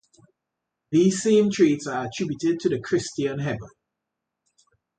These same traits are attributed to the Christian Heaven.